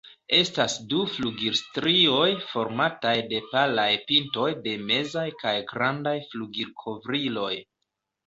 Estas du flugilstrioj, formataj de palaj pintoj de mezaj kaj grandaj flugilkovriloj.